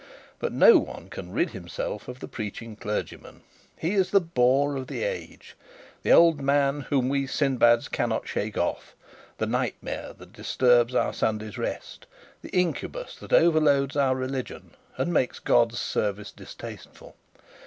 But no one can rid himself of the preaching clergyman. He is the bore of the age, the old man whom we Sindbads cannot shake off, the nightmare that disturbs our Sunday's rest, the incubus that overloads our religion and makes God's service distasteful.